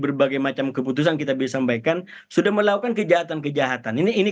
berbagai macam keputusan kita bisa sampaikan sudah melakukan kejahatan kejahatan ini